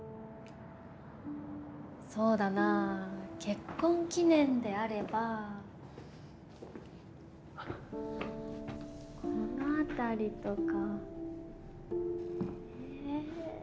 そうだなぁ結婚記念であればこの辺りとか。